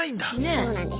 そうなんです。